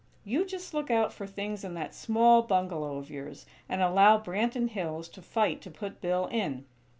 You just look out for things in that small bungalow of yours, and allow Branton Hills to fight to put Bill in.